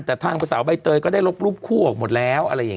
แต่ทางผู้สาวใบเติร์นก็ได้ลบรูปคู่ออกหมดแล้ว